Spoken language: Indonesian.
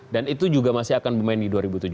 dan itu juga masih akan bermain di dua ribu tujuh belas